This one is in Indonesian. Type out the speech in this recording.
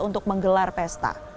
untuk menggelar pesta